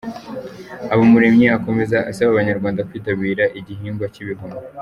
Habumuremyi akomeza asaba abanyarwanda kwitabira igihingwa cy’ibihumyo.